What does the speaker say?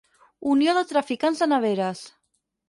Unió de traficants de neveres.